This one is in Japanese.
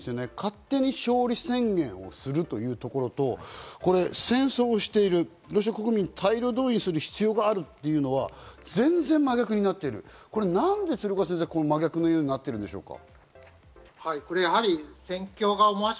勝手に勝利宣言をするというところと、戦争をしているロシア国民を大量動員する必要があるというのは全然真逆になっている、なぜこう真逆になっているんでしょうか？